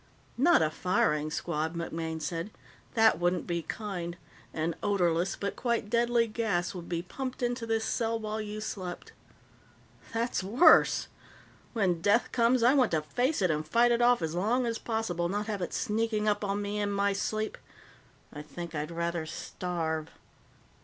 "Not a firing squad," MacMaine said. "That wouldn't be kind. An odorless, but quite deadly gas would be pumped into this cell while you slept." "That's worse. When death comes, I want to face it and fight it off as long as possible, not have it sneaking up on me in my sleep. I think I'd rather starve."